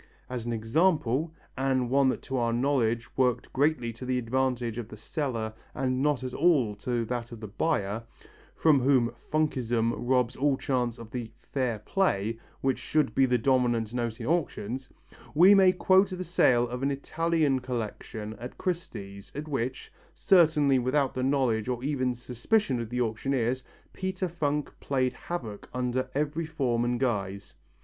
As an example and one that to our knowledge worked greatly to the advantage of the seller and not at all to that of the buyer, from whom "funkism" robs all chance of the "fair play" which should be the dominant note in auctions we may quote the sale of an Italian collection at Christie's at which, certainly without the knowledge or even suspicion of the auctioneers, Peter Funk played havoc under every form and guise.